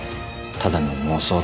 ただの妄想だ。